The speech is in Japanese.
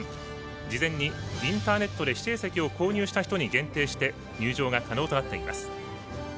事前にインターネットで指定席を購入した人に限定して入場が可能となっています。